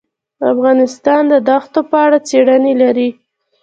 افغانستان د دښتو په اړه څېړنې لري.